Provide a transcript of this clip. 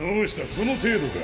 その程度か？